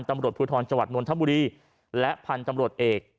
ตำรดพุทธรจังหวัดนธรรมบุรีและพรรดิตัมรถเอก